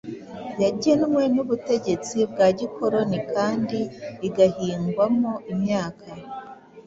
yagenwe n'ubutegetsi bwa gikoloni kandi igahingwamo imyaka